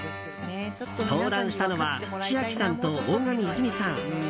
登壇したのは千秋さんと、大神いずみさん。